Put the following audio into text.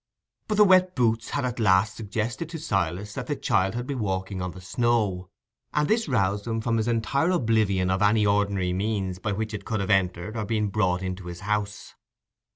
But the wet boots had at last suggested to Silas that the child had been walking on the snow, and this roused him from his entire oblivion of any ordinary means by which it could have entered or been brought into his house.